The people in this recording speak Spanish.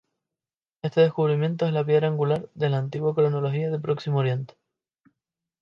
Este descubrimiento es la piedra angular de la antigua cronología de Oriente Próximo.